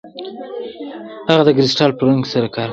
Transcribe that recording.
هغه د کریستال پلورونکي سره کار کوي.